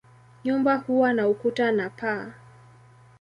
Nyumba huwa na ukuta na paa.